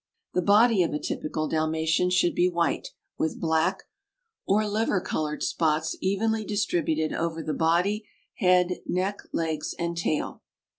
The body of a typical Dalmatian should be white, with black or liver colored spots evenly distributed over the body, head, neck, legs, and tail.